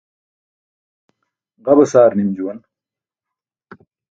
Ġa basaar nim juwan.